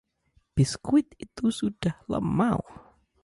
biskuit itu sudah lemau